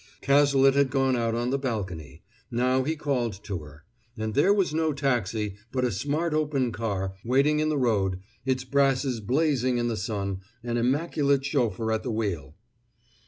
Cazalet had gone out on the balcony; now he called to her; and there was no taxi, but a smart open car, waiting in the road, its brasses blazing in the sun, an immaculate chauffeur at the wheel.